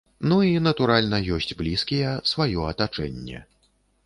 Ну, і, натуральна, ёсць блізкія, сваё атачэнне.